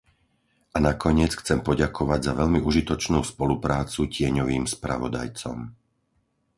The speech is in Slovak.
A nakoniec chcem poďakovať za veľmi užitočnú spoluprácu tieňovým spravodajcom.